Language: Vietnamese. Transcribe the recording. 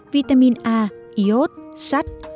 vitamin a iốt sắt